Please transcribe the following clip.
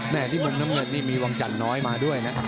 ที่มุมน้ำเงินนี่มีวังจันทร์น้อยมาด้วยนะ